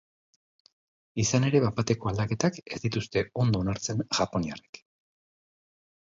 Izan ere, bapateko aldaketak ez dituzte ondo onartzen japoniarrek.